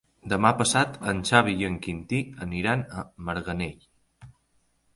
Demà passat en Xavi i en Quintí aniran a Marganell.